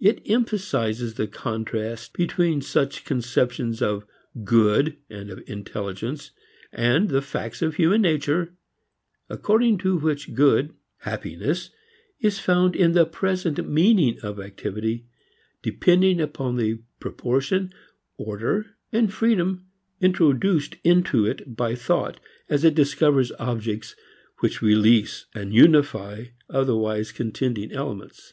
It emphasizes the contrast between such conceptions of good and of intelligence, and the facts of human nature according to which good, happiness, is found in the present meaning of activity, depending upon the proportion, order and freedom introduced into it by thought as it discovers objects which release and unify otherwise contending elements.